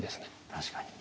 確かに。